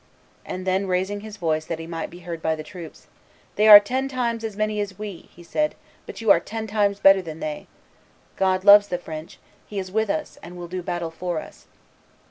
And then raising his voice that he might be heard by the troops, "They are ten times as many as we," he said; "but you are ten times better than they; God loves the French; He is with us, and will do battle for us.